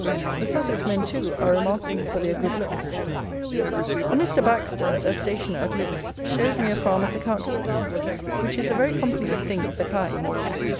The Sussex men, too, are remarkable for their good looks. A Mr. Baxter, a stationer at Lewes, showed me a farmer's account book which is a very complete thing of the kind.